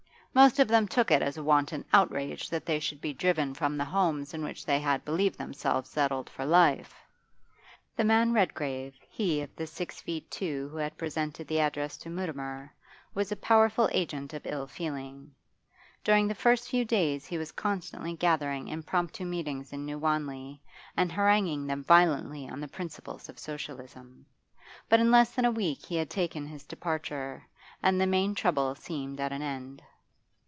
Most of them took it as a wanton outrage that they should be driven from the homes in which they had believed themselves settled for life. The man Redgrave he of the six feet two who had presented the address to Mutimer was a powerful agent of ill feeling; during the first few days he was constantly gathering impromptu meetings in New Wanley and haranguing them violently on the principles of Socialism. But in less than a week he had taken his departure, and the main trouble seemed at an end.